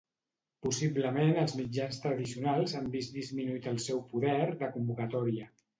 Possiblement els mitjans tradicionals han vist disminuït el seu poder de convocatòria.